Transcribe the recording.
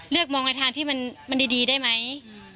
เลือกมองในทางที่มันดีได้ไหม